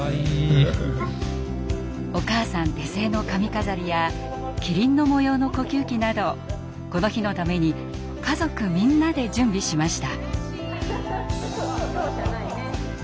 お母さん手製の髪飾りやキリンの模様の呼吸器などこの日のために家族みんなで準備しました。